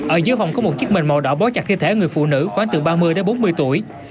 ở dưới phòng có một chiếc mền màu đỏ bó chặt thi thể người phụ nữ khoảng từ ba mươi bốn mươi tuổi